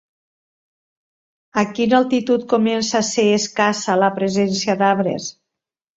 A quina altitud comença ser escassa la presència d'arbres?